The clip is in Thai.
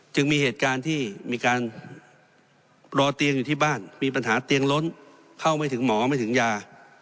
จึงมีเหตุการณ์ที่มีการรอเตียงอยู่ที่บ้านมีปัญหาเตียงล้นเข้าไม่ถึงหมอไม่ถึงยา